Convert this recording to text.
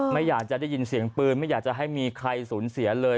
ไม่อยากจะได้ยินเสียงปืนไม่อยากจะให้มีใครสูญเสียเลย